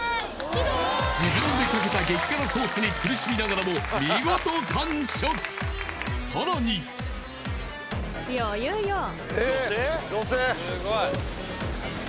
自分でかけた激辛ソースに苦しみながらも見事完食さらにああ！